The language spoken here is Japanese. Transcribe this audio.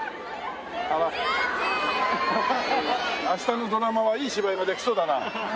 明日のドラマはいい芝居ができそうだな。